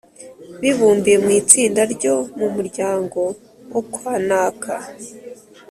bibumbiye mu itsinda ryo mu muryango wo kwa naka